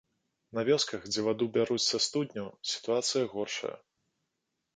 На вёсках, дзе ваду бяруць са студняў, сітуацыя горшая.